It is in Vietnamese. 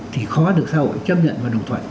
thì khó được xã hội chấp nhận và đồng thuận